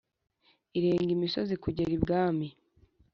irenga imisozi kugera ibwami"